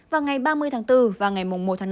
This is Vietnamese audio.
vào ngày ba mươi tháng bốn và ngày một tháng năm